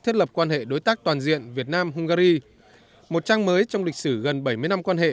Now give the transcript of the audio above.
thiết lập quan hệ đối tác toàn diện việt nam hungary một trang mới trong lịch sử gần bảy mươi năm quan hệ